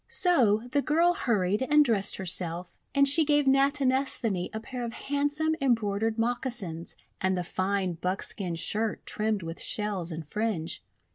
5 So the girl hurried and dressed herself, and she gave Natinesthani a pair of handsome em broidered moccasins and the fine buckskin shirt trimmed with shells and fringe.